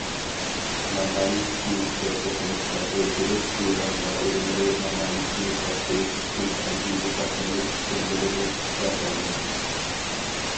نامايىش كېيىنچە توقۇنۇشقا ئۆزگىرىپ، ئىران دائىرىلىرى نامايىشنى باستۇرۇش ئۈچۈن ھەربىي بىخەتەرلىك قىسىملىرىنى ئىشقا سالغان.